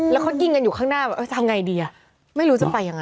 แล้วเขายิงกันอยู่ข้างหน้าว่าทำไงดีอ่ะไม่รู้จะไปยังไง